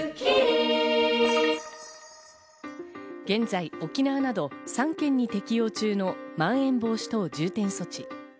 現在、沖縄など３県に適用中のまん延防止等重点措置。